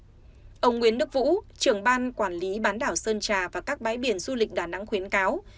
theo ông nguyễn đức vũ trưởng ban quản lý bán đảo sơn trà và các bãi biển du lịch đà nẵng khuyến cáo